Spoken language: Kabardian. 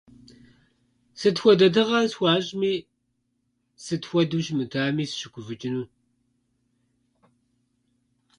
Сыт хуэдэ тыгъэ схуащӏми, сыт хуэдэу щымытами, сыщыгуфӏыкӏыну.